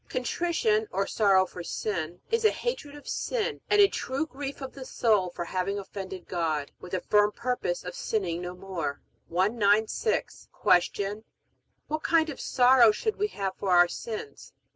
Contrition, or sorrow for sin, is a hatred of sin and a true grief of the soul for having offended God, with a firm purpose of sinning no more. 196. Q. What kind of sorrow should we have for our sins?